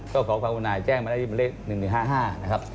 ก็ขอความอุนายแจ้งมาได้ที่เลข๑๑๕๕นะครับ